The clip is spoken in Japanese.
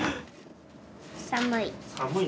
寒い。